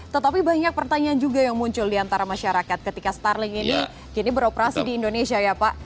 tetapi banyak pertanyaan juga yang muncul diantara masyarakat ketika starlink ini beroperasi di indonesia ya pak